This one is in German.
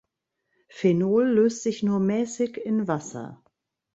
Phenol löst sich nur mäßig in Wasser.